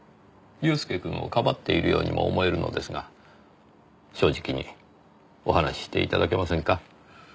祐介くんをかばっているようにも思えるのですが正直にお話しして頂けませんか？